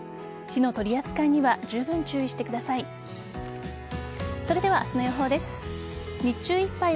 火の取り扱いにはじゅうぶん注意してください。